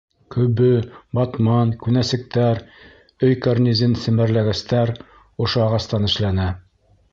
Көбө, батман, күнәсектәр, өй кәрнизен семәрләгестәр ошо ағастан эшләнә.